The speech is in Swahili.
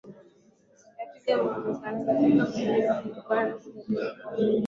ya twiga wameongezeka katika maeneo yao Kutokana kuzaliana kwa wingi